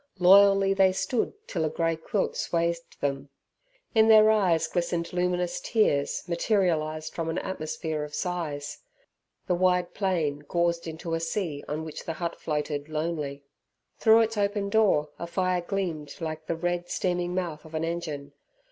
Loyally they stood till a grey quilt swathed them. In their eyes glistened luminous tears materialized from an atmosphere of sighs. The wide plain gauzed into a sea on which the hut floated lonely. Through its open door a fire gleamed like the red, steaming mouth of an engine.